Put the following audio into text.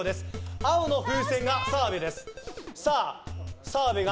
青の風船が澤部です。